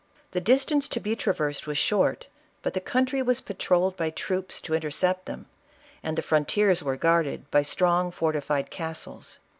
The dis tance to be traversed was short, but the country was patrolled by troops to intercept them, and the frontiers were guarded by strong fortified castles.